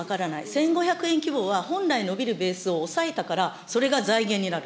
１５００億円規模は本来伸びるベースを抑えたから、それが財源になる。